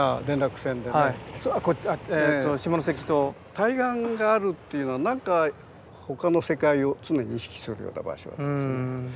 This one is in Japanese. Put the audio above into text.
対岸があるっていうのは何か他の世界を常に意識するような場所ですよね。